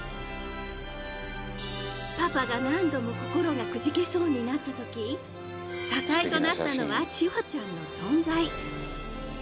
パパが何度も心がくじけそうになった時支えとなったのは千穂ちゃんの存在。